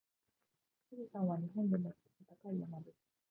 富士山は日本で最も高い山です。